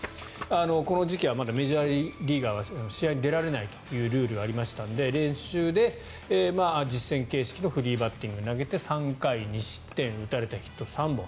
この時期はまだメジャーリーガーは試合に出られないというルールがあったので練習で実戦形式のフリーバッティングを投げて３回２失点打たれたヒット３本。